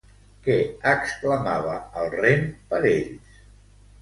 Què exclamava el rem per ells?